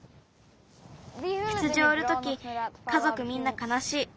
羊をうるときかぞくみんなかなしい。